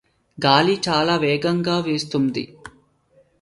గాలి చాలా వేగంగా వీస్తోంది.